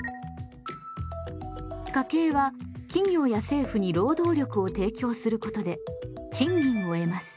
家計は企業や政府に労働力を提供することで賃金を得ます。